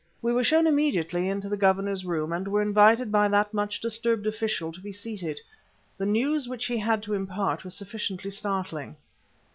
We were shown immediately into the Governor's room and were invited by that much disturbed official to be seated. The news which he had to impart was sufficiently startling.